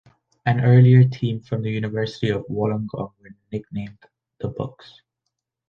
An earlier team from the University of Wollongong were nicknamed the "Books".